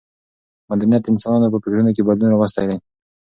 مدنیت د انسانانو په فکرونو کې بدلون راوستی دی.